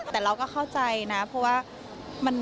แต่เราก็เข้าใจนะเพราะว่า